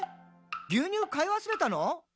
牛乳買い忘れたの？」